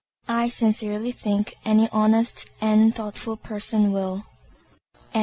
I scarcely think any honest and thoughtful person will. FINIS.